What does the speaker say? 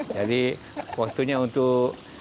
jadi waktunya untuk